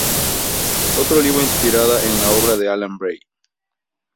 Otro libro inspirada en la obra de Alan Bray.